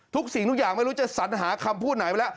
สิ่งทุกอย่างไม่รู้จะสัญหาคำพูดไหนไปแล้ว